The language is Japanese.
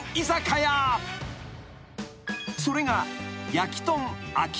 ［それが］